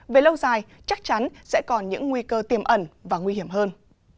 về lâu dài chắc chắn sẽ còn những nguy cơ tiềm ẩn và nguy hiểm hơn